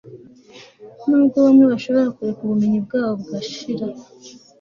nubwo bamwe bashobora kureka ubumenyi bwabo bugashira